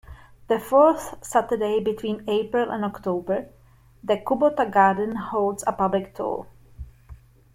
The fourth Saturday between April and October, the Kubota Garden holds a public tour.